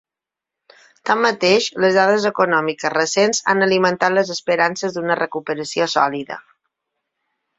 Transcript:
Tanmateix, les dades econòmiques recents han alimentat les esperances d’una recuperació sòlida.